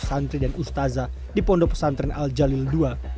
santri dan ustazah di pondok pesantren al jalil ii